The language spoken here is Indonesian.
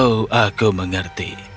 oh aku mengerti